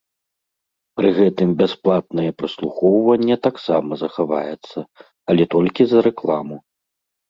Пры гэтым бясплатнае праслухоўванне таксама захаваецца, але толькі за рэкламу.